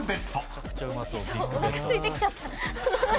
おなかすいてきちゃった。